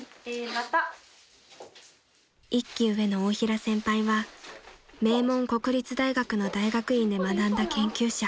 ［１期上の大平先輩は名門国立大学の大学院で学んだ研究者］